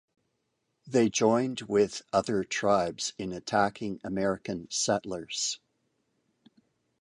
They joined with other tribes in attacking American settlers.